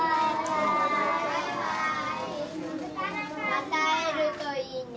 また会えるといいね。